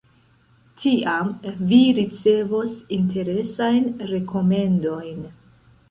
Tiam vi ricevos interesajn rekomendojn….